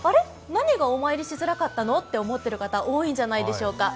何がお参りしづらかったの？と思ってらっしゃる方、多いんじゃないでしょうか。